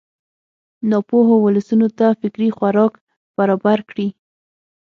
ناپوهو ولسونو ته فکري خوراک برابر کړي.